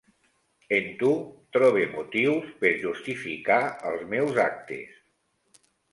En tu trobe motius per justificar els meus actes.